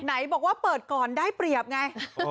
ไหนบอกว่าเปิดก่อนได้เปรียบไง